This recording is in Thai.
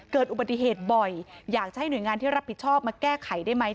เกิดอุบัติเหตุบ่อยอยากจะให้หน่วยงานที่รับผิดชอบมาแก้ไขได้ไหม